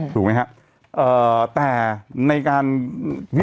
ถูกมั้ยฮะแต่ในการพิสูจน์เนี่ย